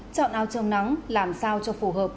chọn áo trông nắng làm sao cho phù hợp